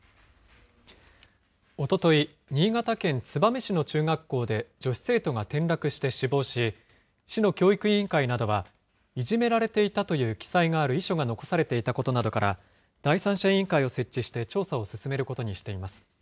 おととい、新潟県燕市の中学校で、女子生徒が転落して死亡し、市の教育委員会などは、いじめられていたという記載がある遺書が残されていたことなどから、第三者委員会を設置して、調査を進めることにしています。